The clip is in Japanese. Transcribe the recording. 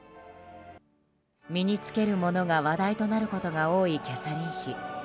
身に着けるものが話題となることが多いキャサリン妃。